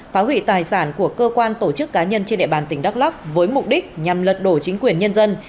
phá hủy tài sản của cơ quan tổ chức cá nhân trên địa bàn tỉnh đắk lắc với mục đích nhằm lật đổ chính quyền nhân dân